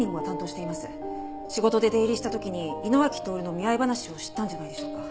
仕事で出入りした時に井野脇透の見合い話を知ったんじゃないでしょうか。